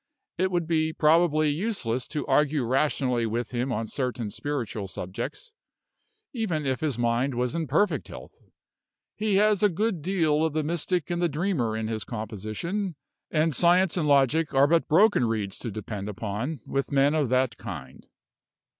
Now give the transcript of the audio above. It would be probably useless to argue rationally with him on certain spiritual subjects, even if his mind was in perfect health. He has a good deal of the mystic and the dreamer in his composition; and science and logic are but broken reeds to depend upon with men of that kind."